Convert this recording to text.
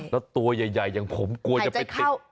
แล้วตัวใหญ่อย่างผมกลัวจะไปติด